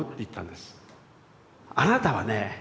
「あなたはねぇ